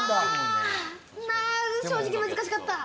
正直難しかった。